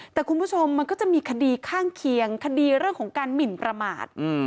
แต่คุณผู้ชมมันก็จะมีคดีข้างเคียงคดีเรื่องของการหมินประมาท